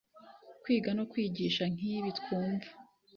Kwiga no kwigisha nk’ibi twumva